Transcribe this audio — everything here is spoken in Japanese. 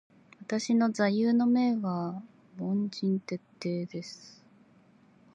私の座右の銘は凡事徹底です。